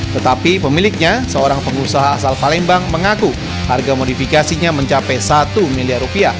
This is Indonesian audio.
tetapi pemiliknya seorang pengusaha asal palembang mengaku harga modifikasinya mencapai rp satu miliar